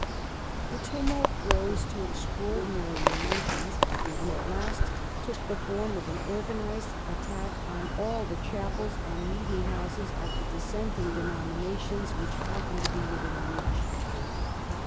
The tumult rose to extraordinary dimensions, and at last took the form of an organized attack on all the chapels and meeting houses of the dissenting de nominations which happened to be within reach.